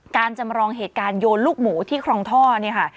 จำลองเหตุการณ์โยนลูกหมูที่ครองท่อเนี่ยค่ะ